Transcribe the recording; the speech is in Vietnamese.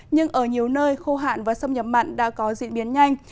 nhưng ở nhiều nơi khô hạn và xâm nhập mặn đã có diễn biến nhanh